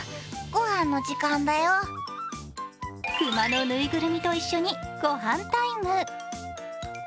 熊のぬいぐるみと一緒にご飯タイム。